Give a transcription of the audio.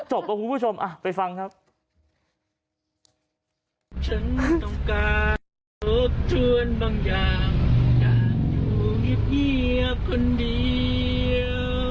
ฉันต้องการทบทวนบางอย่างอยากอยู่เงียบเงียบคนเดียว